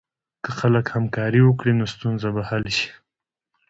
که خلک همکاري وکړي، نو ستونزه به حل شي.